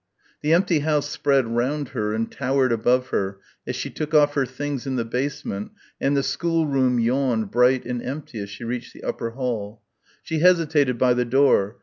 The empty house spread round her and towered above her as she took off her things in the basement and the schoolroom yawned bright and empty as she reached the upper hall. She hesitated by the door.